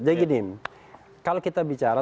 jadi gini kalau kita bicara